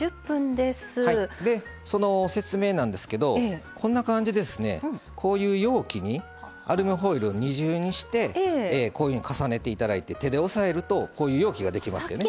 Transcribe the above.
その説明なんですけどこういう容器にアルミホイルを二重にして、重ねていただいて手で押さえるとこういう容器ができますよね。